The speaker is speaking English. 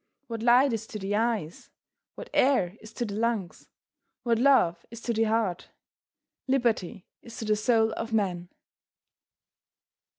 What light is to the eyes what air is to the lungs what love is to the heart, liberty is to the soul of man.